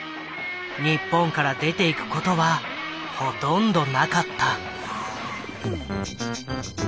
日本から出ていくことはほとんどなかった。